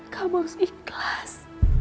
kamu harus ikhlas